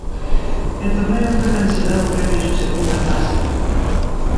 El torneo fue cancelado previo a su segunda fase.